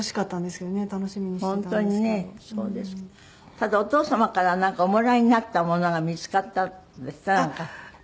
ただお父様からおもらいになったものが見つかったんですって？